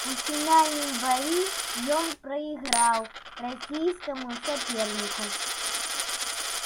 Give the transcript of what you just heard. У фінальным баі ён прайграў расійскаму саперніку.